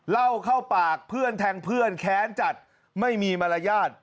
เหล้าเข้าปากเพื่อนแทงเพื่อนแค้นจัดไม่มีมารยาท